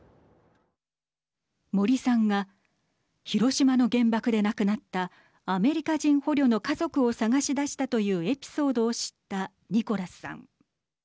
森さんが広島の原爆で亡くなったアメリカ人捕虜の家族を探し出したというエピソードを知ったニコラスさん。